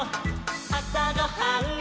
「あさごはん」「」